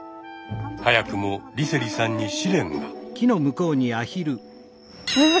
早くも梨星さんに試練が！